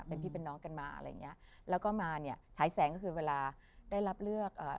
เป็นพี่เป็นน้องกันมาอะไรอย่างเงี้ยแล้วก็มาเนี้ยฉายแสงก็คือเวลาได้รับเลือกเอ่อ